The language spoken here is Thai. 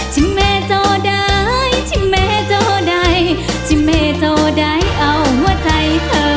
ชิเมเจ้าใดชิเมเจ้าใด